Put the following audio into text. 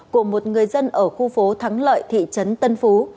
của một người dân ở khu phố thắng lợi thị trấn tân phú